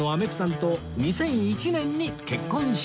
２００１年に結婚しました